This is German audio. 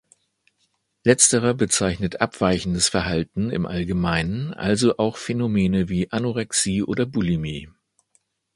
Letzterer bezeichnet „abweichendes Verhalten“ im Allgemeinen, also auch Phänomene wie Anorexie oder Bulimie.